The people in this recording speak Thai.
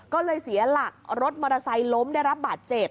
ก็เลยเสียหลักรถมอเตอร์ไซค์ล้มได้รับบาดเจ็บ